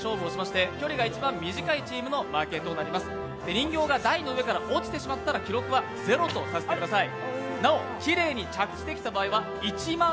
人形が台の上から落ちてしまったら記録はゼロとさせてください。